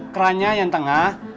kerannya yang tengah